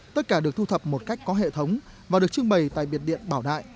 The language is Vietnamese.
tất cả được thu thập một cách có hệ thống và được trưng bày tại biệt điện bảo đại